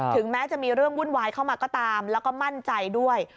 ถึงแม้จะมีเรื่องวุ่นวายเข้ามาก็ตามแล้วก็มั่นใจด้วย